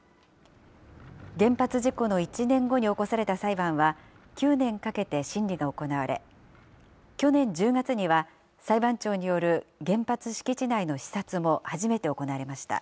原発事故の１年後に起こされた裁判は、９年かけて審理が行われ、去年１０月には裁判長による原発敷地内の視察も初めて行われました。